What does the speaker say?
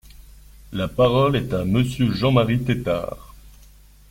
La parole est à Monsieur Jean-Marie Tétart.